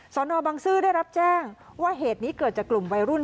นบังซื้อได้รับแจ้งว่าเหตุนี้เกิดจากกลุ่มวัยรุ่น